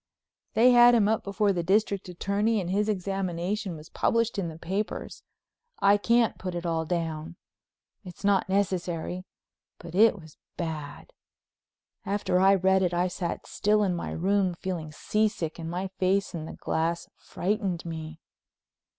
They had him up before the District Attorney and his examination was published in the papers. I can't put it all down—it's not necessary—but it was bad. After I read it I sat still in my room, feeling seasick and my face in the glass frightened me.